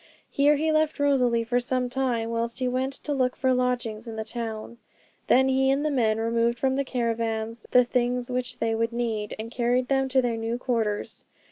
Here he left Rosalie for some time, whilst he went to look for lodgings in the town. Then he and the men removed from the caravans the things which they would need, and carried them to their new quarters.